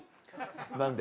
何で？